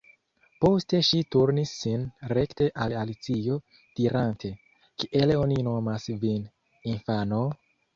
Poste ŝi turnis sin rekte al Alicio, dirante: "Kiel oni nomas vin, infano?"